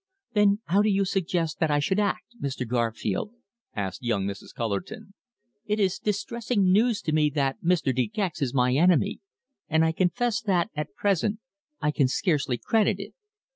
"Then how do you suggest that I should act, Mr. Garfield?" asked young Mrs. Cullerton. "It is distressing news to me that Mr. De Gex is my enemy and I confess that at present I can scarcely credit it."